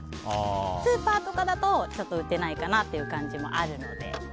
スーパーとかだと売ってないかなという感じもあるので。